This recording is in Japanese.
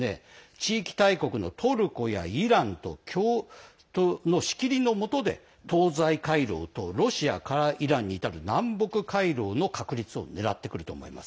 地域大国のトルコやイランの仕切りのもとで東西回廊とロシアからイランに至る南北回廊の確立をねらってくるでしょう。